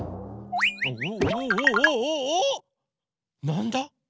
なんだ？